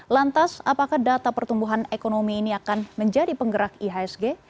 lantas apakah data pertumbuhan ekonomi ini akan menjadi penggerak ihsg